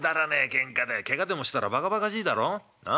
けんかでけがでもしたらバカバカしいだろな？」。